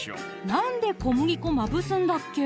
なんで小麦粉まぶすんだっけ？